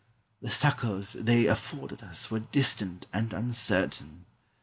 The succours they afforded us were distant and uncertain.